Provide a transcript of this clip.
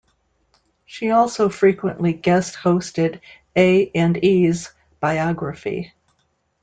She also frequently guest hosted A and E's "Biography".